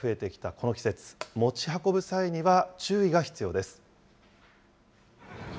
この季節、持ち運ぶ際には注意が必要です。